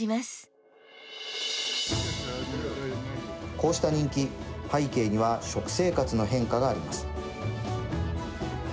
こうした人気、背景には食生活の変化があります。